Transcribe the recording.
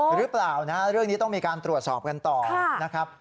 หรือเปล่านะฮะเรื่องนี้ต้องมีการตรวจสอบกันต่อนะครับ